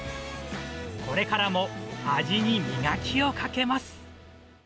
これからも味に磨きをかけます。